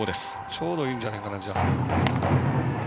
ちょうどいいんじゃないかな、じゃあ。